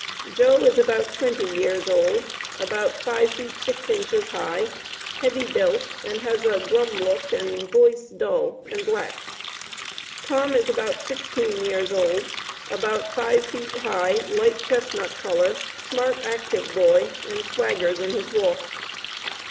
Joe is about 20 years old, about five feet six inches high, heavy built, and has a grum look and voice dull, and black. Tom is about 16 years old about five feet high light chestnut coller, smart active boy, and swagers in his walk.